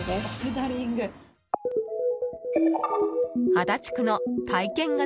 足立区の体験型